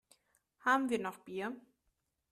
Haben wir noch Bier?